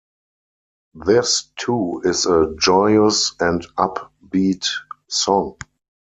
This too is a joyous and upbeat song.